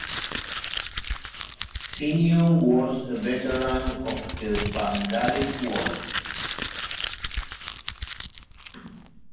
Sinnion was a veteran of the Vandalic War.